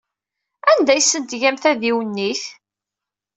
Anda ay asen-tgam tadiwennit?